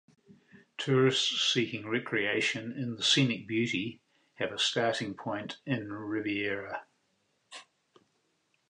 Tourists seeking recreation in the scenic beauty have a starting point in Ribeira.